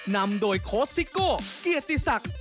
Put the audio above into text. นำโดยโค้ชซิโก้เกียรติศักดิ์